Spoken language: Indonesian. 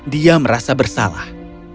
dia merasa bersalah